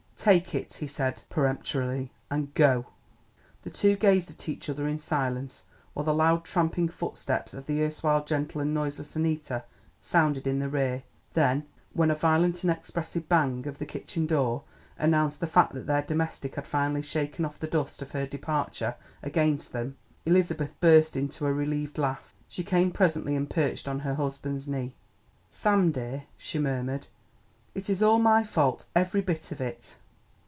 "Take it," he said peremptorily, "and go." The two gazed at each other in silence while the loud trampling footsteps of the erstwhile gentle and noiseless Annita sounded in the rear. Then, when a violent and expressive bang of the kitchen door announced the fact that their domestic had finally shaken off the dust of her departure against them, Elizabeth burst into a relieved laugh. She came presently and perched on her husband's knee. "Sam, dear," she murmured, "it is all my fault, every bit of it.